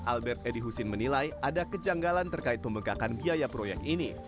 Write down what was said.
albert edi husin menilai ada kejanggalan terkait pembengkakan biaya proyek ini